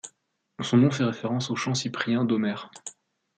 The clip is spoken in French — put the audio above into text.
Son nom fait référence aux Chants cypriens d'Homère.